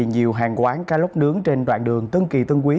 nhiều hàng quán cá lóc nướng trên đoạn đường tân kỳ tân quý